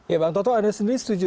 ya bang toto anda sendiri setuju